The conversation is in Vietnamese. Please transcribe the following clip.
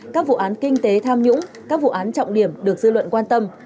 các vụ án kinh tế tham nhũng các vụ án trọng điểm được dư luận quan tâm